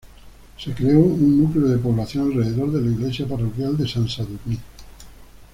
Se creó un núcleo de población alrededor de la iglesia parroquial de Sant Sadurní.